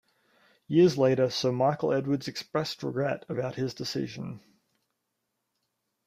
Years later, Sir Michael Edwardes expressed regret about his decision.